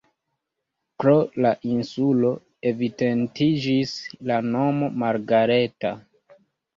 Pro la insulo evidentiĝis la nomo Margareta.